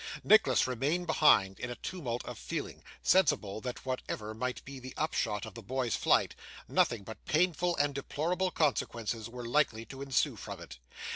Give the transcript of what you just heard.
Nicholas remained behind, in a tumult of feeling, sensible that whatever might be the upshot of the boy's flight, nothing but painful and deplorable consequences were likely to ensue from it.